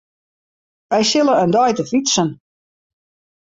Wy sille in dei te fytsen.